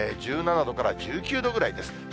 １７度から１９度ぐらいです。